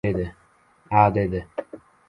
— A?.. — dedi.